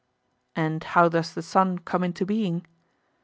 And how does the son come into being?